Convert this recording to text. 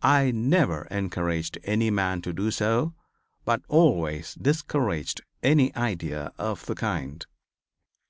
I never encouraged any man to do so but always discouraged any idea of the kind.